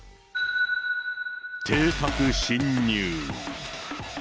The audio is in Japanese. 邸宅侵入。